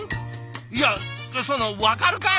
いやその分かるかい！